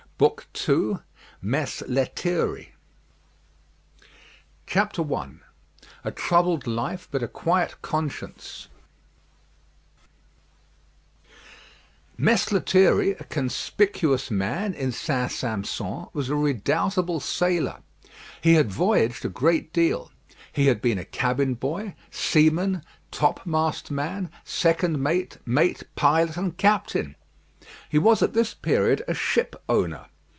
BOOK II MESS LETHIERRY I A TROUBLED LIFE, BUT A QUIET CONSCIENCE Mess Lethierry, a conspicuous man in St. Sampson, was a redoubtable sailor. He had voyaged a great deal. He had been a cabin boy, seaman, topmast man, second mate, mate, pilot, and captain. He was at this period a ship owner.